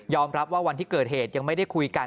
รับว่าวันที่เกิดเหตุยังไม่ได้คุยกัน